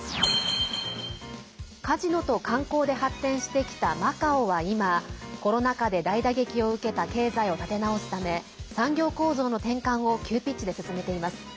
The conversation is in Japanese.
カジノと観光で発展してきたマカオは今コロナ禍で大打撃を受けた経済を立て直すため産業構造の転換を急ピッチで進めています。